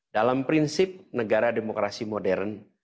dalam prinsip negara demokrasi modern